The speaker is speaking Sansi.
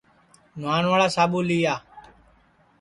نوہانواڑا ساٻو لیا